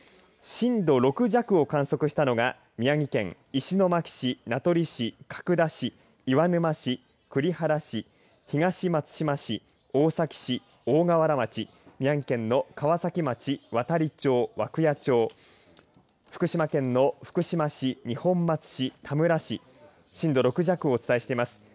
震度６弱を観測したのが宮城県石巻市、名取市角田市、岩沼市栗原市東松島市大崎市、大河原町宮城県の川崎町、亘理町、涌谷町福島県の福島市、二本松市田村市震度６弱をお伝えしています。